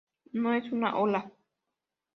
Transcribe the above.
No es una ola.